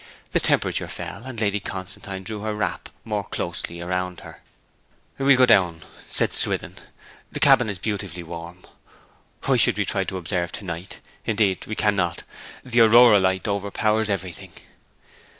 The temperature fell, and Lady Constantine drew her wrap more closely around her. 'We'll go down,' said Swithin. 'The cabin is beautifully warm. Why should we try to observe to night? Indeed, we cannot; the Aurora light overpowers everything.'